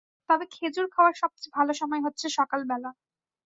তবে খেজুর খাওয়ার সবচেয়ে ভালো সময় হচ্ছে সকালবেলা।